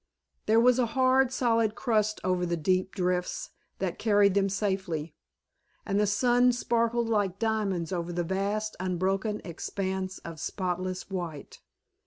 There was a hard, solid crust over the deep drifts, that carried them safely, and the sun sparkled like diamonds over the vast unbroken expanse of spotless white.